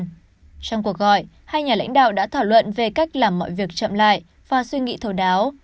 trong cuộc gọi hai nhà lãnh đạo đã thảo luận về cách làm mọi việc chậm lại và suy nghĩ thấu đáo